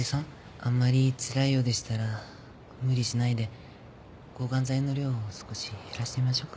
あんまりつらいようでしたら無理しないで抗ガン剤の量を少し減らしてみましょうか？